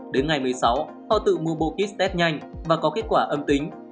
đến ngày một mươi sáu họ tự mua kit test nhanh và có kết quả âm tính